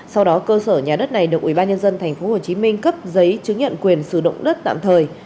sau đó cơ sở nhà đất này được ủy ban nhân dân tp hcm cấp giấy chứng nhận quyền sử dụng đất tạm thời